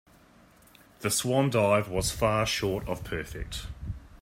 The swan dive was far short of perfect.